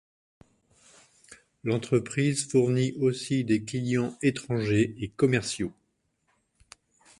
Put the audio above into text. L’entreprise fournit aussi des clients étrangers et commerciaux.